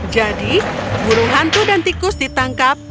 jadi burung hantu dan tikus ditangkap